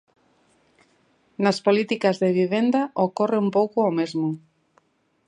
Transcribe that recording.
Nas políticas de vivenda ocorre un pouco o mesmo.